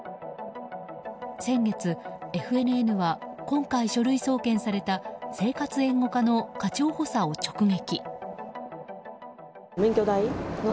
先月、ＦＮＮは今回書類送検された生活援護課の課長補佐を直撃。